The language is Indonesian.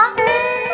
kasian deh lo